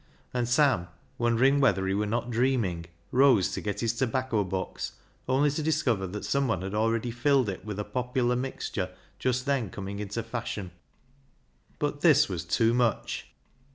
And Sam, wondering whether he were not dreaming, rose to get his tobacco box, only to discover that someone had already filled it with a popular mixture just then coming into fashion. But this was too much